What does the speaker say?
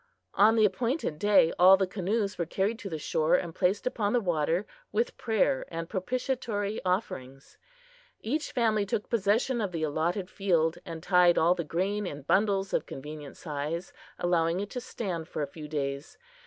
On the appointed day all the canoes were carried to the shore and placed upon the water with prayer and propitiatory offerings. Each family took possession of the allotted field, and tied all the grain in bundles of convenient size, allowing it to stand for a few days.